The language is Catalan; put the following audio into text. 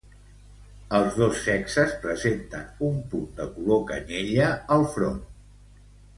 Els dos sexes presenten un punt de color canyella al front.